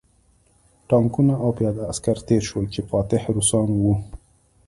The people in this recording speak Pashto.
ټانکونه او پیاده عسکر تېر شول چې فاتح روسان وو